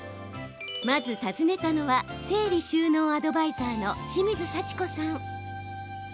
まず訪ねたのは整理収納アドバイザーの清水幸子さん。